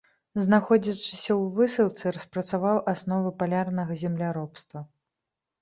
Знаходзячыся ў высылцы, распрацаваў асновы палярнага земляробства.